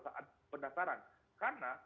saat pendaftaran karena